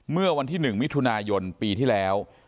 เมื่อวันที่๑มิถุนายนปีที่แล้ว